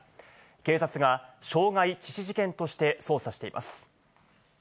警察が傷害致死事件として捜査しています。